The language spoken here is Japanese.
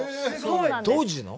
当時の？